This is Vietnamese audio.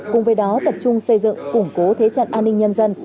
cùng với đó tập trung xây dựng củng cố thế trận an ninh nhân dân